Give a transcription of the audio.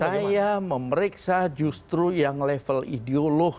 saya memeriksa justru yang level ideolog